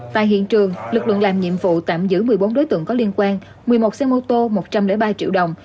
tại hiện trường lực lượng làm nhiệm vụ tạm giữ một mươi bốn đối tượng có liên quan một mươi một xe mô tô một trăm linh ba triệu đồng